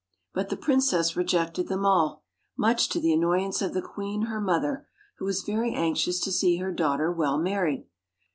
But the princess rejected them all, much to the annoyance of the queen, her mother, who was very anxious to see her daughter well married.